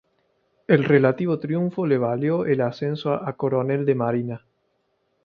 El relativo triunfo le valió el ascenso a coronel de marina.